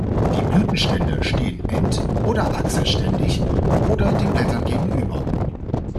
Die Blütenstände stehen end- oder achselständig oder den Blättern gegenüber.